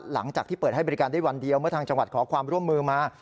หลังจากที่เปิดให้บริการได้วันเดียวเมื่อทางจังหวัดขอความร่วมมือมา